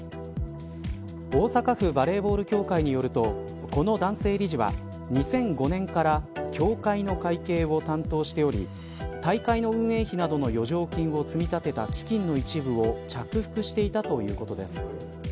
大阪府バレーボール協会によるとこの男性理事は、２００５年から協会の会計を担当しており大会の運営費などの余剰金を積み立てた基金の一部を着服していたということです。